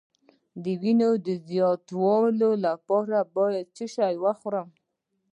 د وینې د زیاتوالي لپاره باید څه شی وخورم؟